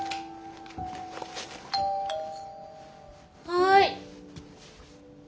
はい。